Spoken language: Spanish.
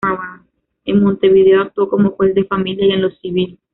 En Montevideo actuó como juez de Familia y en lo Civil.